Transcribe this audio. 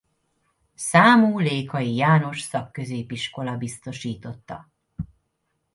Számú Lékai János Szakközépiskola biztosította.